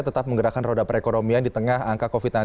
tetap menggerakkan roda perekonomian di tengah angka covid sembilan belas